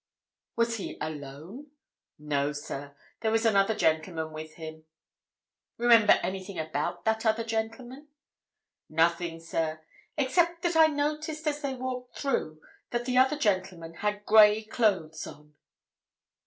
"Was he alone?" "No, sir; there was another gentleman with him." "Remember anything about that other gentleman?" "Nothing, sir, except that I noticed as they walked through, that the other gentleman had grey clothes on."